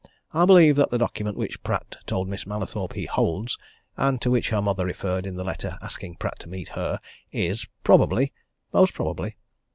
I believe that the document which Pratt told Miss Mallathorpe he holds, and to which her mother referred in the letter asking Pratt to meet her, is probably most probably!